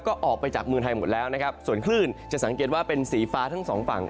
ก็ออกไปจากเมืองไทยหมดแล้วนะครับส่วนคลื่นจะสังเกตว่าเป็นสีฟ้าทั้งสองฝั่ง